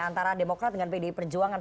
antara demokrat dengan pdi perjuangan